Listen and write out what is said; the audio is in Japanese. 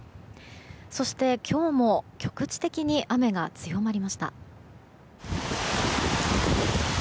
そして、今日も局地的に雨が強まりました。